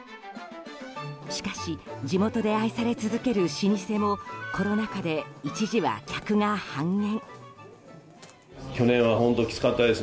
しかし、地元で愛され続ける老舗もコロナ禍で一時は客が半減。